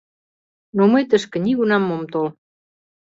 Но мый тышке нигунам ом тол.